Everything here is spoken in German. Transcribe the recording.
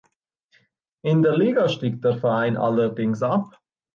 In der Liga stieg der Verein allerdings ab.